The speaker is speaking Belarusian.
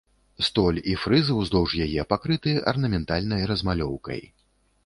Столь і фрыз уздоўж яе пакрыты арнаментальнай размалёўкай.